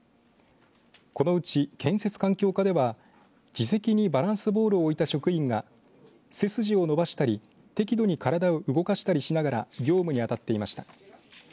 このうち建設環境課では自席にバランスボールを置いた職員が背筋を伸ばしたり適度に体を動かしたりしながら業務にあたっていました。